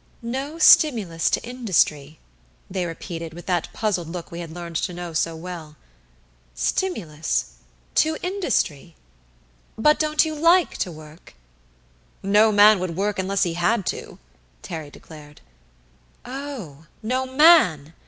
"No stimulus to industry," they repeated, with that puzzled look we had learned to know so well. "Stimulus? To Industry? But don't you like to work?" "No man would work unless he had to," Terry declared. "Oh, no _man!